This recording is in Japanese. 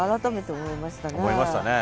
思いましたね。